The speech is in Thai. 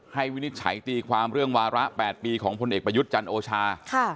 วินิจฉัยตีความเรื่องวาระ๘ปีของพลเอกประยุทธ์จันทร์โอชา